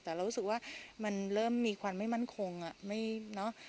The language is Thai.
แต่เรารู้สึกว่ามันเริ่มมีความไม่มั่นคงอ่ะไม่เนอะ